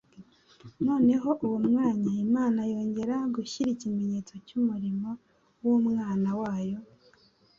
Noneho uwo mwanya Imana yongera gushyira ikimenyetso cy’umurimo w'Umwana wayo.